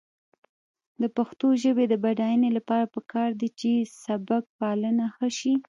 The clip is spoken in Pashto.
د پښتو ژبې د بډاینې لپاره پکار ده چې سبکپالنه ښه شي.